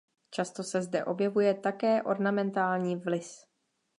Často se zde objevuje také ornamentální vlys.